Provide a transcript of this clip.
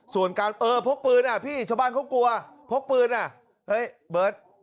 ส่วนการเออพกปืนอ่ะพี่ชาวบ้านเขากลัวพกปืนอ่ะเฮ้ยเบิร์ต